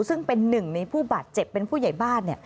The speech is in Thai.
ซึ่งเป็นหนึ่งในผู้บาดเจ็บเป็นผู้ใหญ่บ้าน